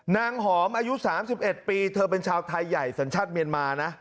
หอมอายุ๓๑ปีเธอเป็นชาวไทยใหญ่สัญชาติเมียนมานะ